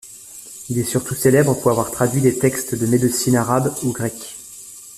Il est surtout célèbre pour avoir traduit des textes de médecine arabes ou grecs.